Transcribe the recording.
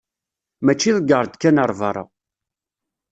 mačči ḍegger-d kan ar berra.